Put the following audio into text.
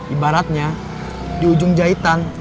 ibaratnya di ujung jahitan